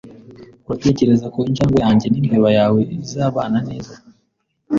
Uratekereza ko injangwe yanjye nimbeba yawe izabana neza?